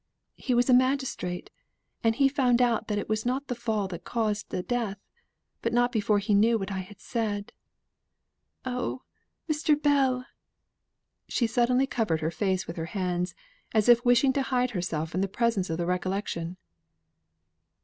He was a magistrate, and he found out that it was not the fall that had caused the death. But not before he knew what I had said. Oh, Mr. Bell!" She suddenly covered her face with her hands, as if wishing to hide herself from the presence of the recollection.